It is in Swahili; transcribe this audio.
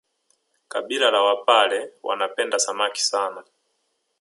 Kabila la wapare wanapenda Samaki sana